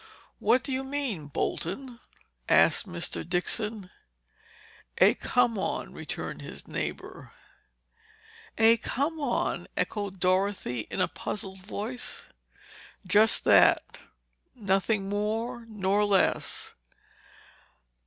"What do you mean, Bolton?" asked Mr. Dixon. "A come on," returned his neighbor. "A come on?" echoed Dorothy in a puzzled voice. "Just that—nothing more nor less."